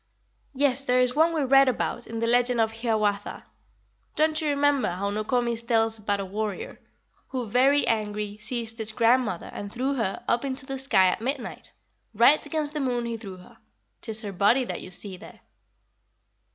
"Yes, there is one we read about in the legend of Hiawatha. Don't you remember how Nokomis tells about a warrior "'... Who very angry Seized his grandmother, and threw her Up into the sky at midnight, Right against the moon he threw her: 'Tis her body that you see there.'"